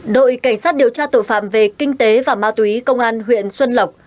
đội cảnh sát điều tra tội phạm về kinh tế và ma túy công an huyện xuân lộc